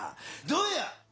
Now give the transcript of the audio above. どうや。